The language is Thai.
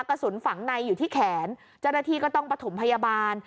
กระสุนฝังในอยู่ที่แขนเจ้าหน้าที่ก็ต้องประถมพยาบาล